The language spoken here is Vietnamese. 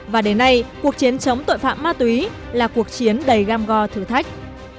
và đến nay cuộc chiến chống tội phạm ma túy là cuộc chiến đầy gam go thử thách